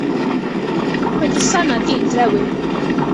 Mae dy sanna' di'n drewi.